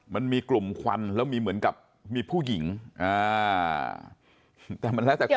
มันมีกลุ่มควันแล้วมีเหมือนกับมีผู้หญิงอ่าแต่มันแล้วแต่คน